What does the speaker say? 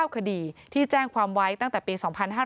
คดีที่แจ้งความไว้ตั้งแต่ปี๒๕๕๘